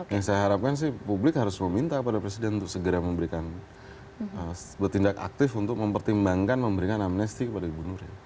yang saya harapkan sih publik harus meminta kepada presiden untuk segera memberikan bertindak aktif untuk mempertimbangkan memberikan amnesti kepada ibu nuril